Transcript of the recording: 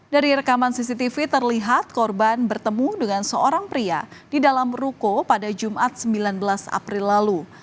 dari rekaman cctv terlihat korban bertemu dengan seorang pria di dalam ruko pada jumat sembilan belas april lalu